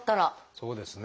そうですね。